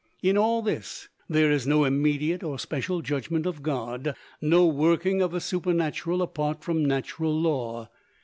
In all this, there is no immediate or special judgment of God; no working of the Supernatural apart from natural law.